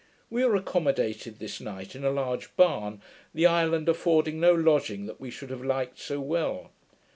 We were accommodated this night in a large barn, the island affording no lodging that we should have liked so well.